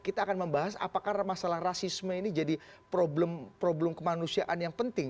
kita akan membahas apakah masalah rasisme ini jadi problem kemanusiaan yang penting